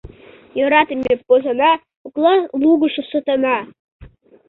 Йӧратыме посана — кокла лугышо сотана!..